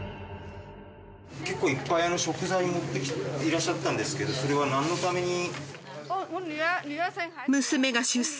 結構いっぱい食材を持ってきていらっしゃったんですけどそれはなんのために？